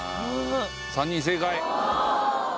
３人正解。